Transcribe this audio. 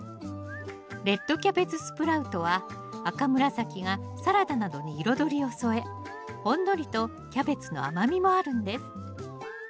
レッドキャベツスプラウトは赤紫がサラダなどに彩りを添えほんのりとキャベツの甘みもあるんです